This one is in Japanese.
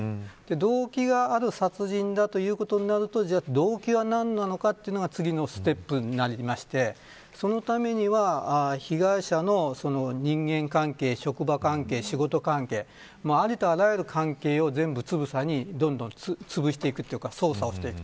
動機のある殺人だということになると動機は何なのかというのが次のステップになりましてそのためには被害者の人間関係、職場関係、仕事関係ありとあらゆる関係を全部つぶさにどんどん潰していくというか捜査をしていく。